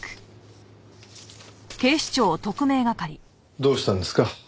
どうしたんですか？